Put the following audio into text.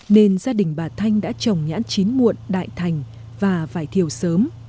nên gia đình bà thanh đã trồng nhãn chín muộn đại thành và vải thiều sớm